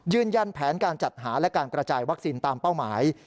ยืนยันแผนการจัดหาและการกระจายวัคซีนตามเป้าหมาย